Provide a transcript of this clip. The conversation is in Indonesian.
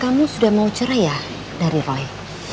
kamu sudah mau cerai dari roy